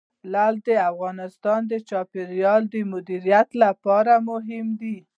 لعل د افغانستان د چاپیریال د مدیریت لپاره مهم دي.